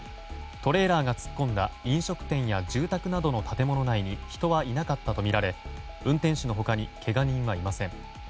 トレーラーが突っ込んだ飲食店や住宅などの建物内に人はいなかったとみられ運転手の他にけが人はいません。